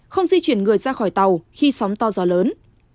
không di chuyển người ra khỏi tàu khi sóng to gió lớn